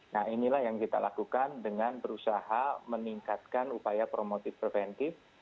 nah inilah yang kita lakukan dengan berusaha meningkatkan upaya promotif preventif